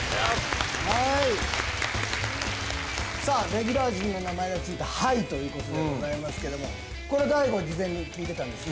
さあレギュラー陣の名前が付いた杯ということでございますけどもこれ大悟事前に聞いてたんですか？